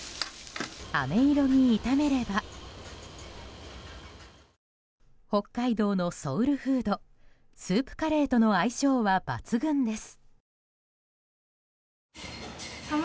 あめ色に炒めれば北海道のソウルフードスープカレーとの相性は抜群です。